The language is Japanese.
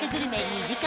２時間